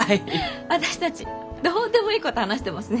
私たちどうでもいいこと話してますね。